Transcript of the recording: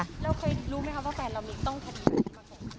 แล้วเคยรู้มั้ยครับว่าแฟนเรามีต้องทำอะไร